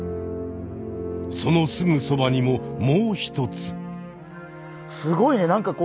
そのすぐそばにももう一つ。